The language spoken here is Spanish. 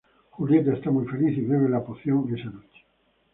Julieta está muy feliz y bebe la poción esa noche.